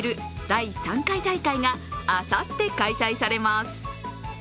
第３回大会があさって開催されます。